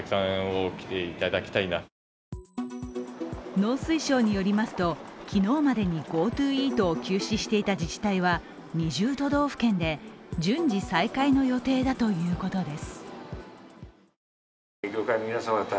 農水省によりますと昨日までにＧｏＴｏイートを休止していた自治体は２０都道府県で、順次再開の予定だということです。